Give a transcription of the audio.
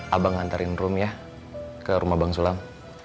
abang nganterin ruhm ya ke rumah bang sulam